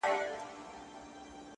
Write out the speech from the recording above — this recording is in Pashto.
شېخ د خړپا خبري پټي ساتي،